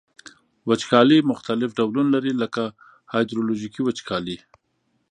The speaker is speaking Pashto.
وچکالي مختلف ډولونه لري لکه هایدرولوژیکي وچکالي.